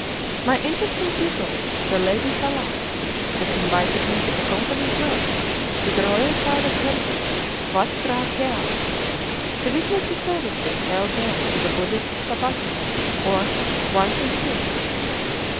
My interesting pupil, the Lady Tâlâp, had invited me to accompany her to the royal private temple, Watt P'hra Këau, to witness the services held there on the Buddhist Sabâto, or One thu sin.